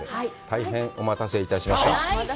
大変お待たせいたしました。